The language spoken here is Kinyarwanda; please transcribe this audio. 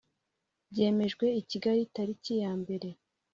Byemejwe i Kigali tariki yambere